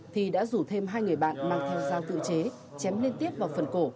thì đã rủ thêm hai người bạn mang theo dao tự chế chém liên tiếp vào phần cổ